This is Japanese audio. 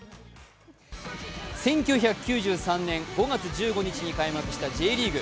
１９９３年５月１３日に開幕したＪリーグ。